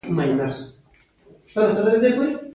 ته زما نړۍ یې!